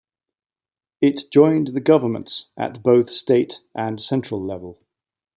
It joined the governments at both state and central level.